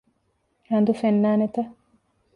ހަނދު ފެންނާނެތަ؟